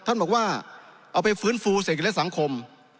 ท่านบอกว่าเอาไปฟื้นฟูเศรษฐกิจและสังคม